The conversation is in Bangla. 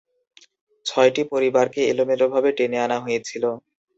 ছয়টি পরিবারকে এলোমেলোভাবে টেনে আনা হয়েছিল।